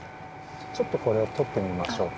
ちょっとこれとってみましょうか。